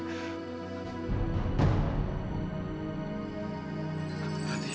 tidak ada foto